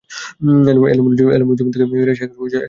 এলোমেলো জীবন থেকে ফিরে আসাই একসময় চ্যালেঞ্জ হয়ে ওঠে তাদের জন্য।